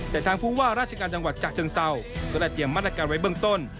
แต่ทางผู้ว่าราชการจังหวัดฉะเชิงเศร้าก็ได้เตรียมมาตรการไว้เบื้องต้น